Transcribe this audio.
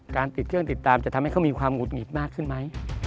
ติดเครื่องติดตามจะทำให้เขามีความหุดหงิดมากขึ้นไหม